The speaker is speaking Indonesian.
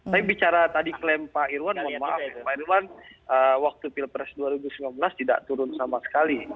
tapi bicara tadi klaim pak irwan mohon maaf pak irwan waktu pilpres dua ribu sembilan belas tidak turun sama sekali